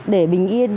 để bình yên